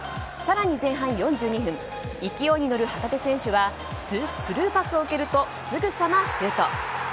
更に前半４２分勢いに乗る旗手選手はスルーパスを受けるとすぐさまシュート。